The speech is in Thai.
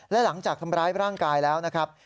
และหลังจากทำร้ายร่างกายแล้วนะครับ